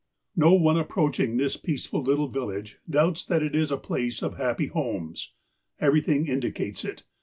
333 334 THE APOSTLE OF ALASKA No one approaching this peaceful little village doubts that it is a place of happy homes. Everything indicates it.